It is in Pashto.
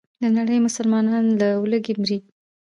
دنړۍ مسلمانان له ولږې مري.